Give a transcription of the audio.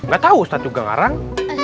ga tau us tad juga ngarang